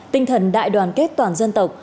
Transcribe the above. tinh thần đại đoàn kết toàn dân tộc